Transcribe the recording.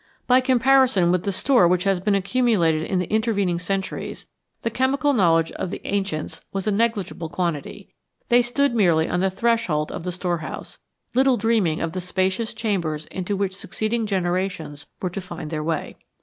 By comparison with the store which has been accumulated in the interven ing centuries, the chemical knowledge of the ancients was a negligible quantity. They stood merely on the threshold of the storehouse, little dreaming of the spacious chambers into which succeeding generations were to find their way.